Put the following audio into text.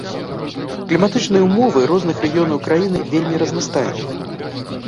Кліматычныя ўмовы розных рэгіёнаў краіны вельмі разнастайныя.